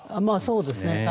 そうですね。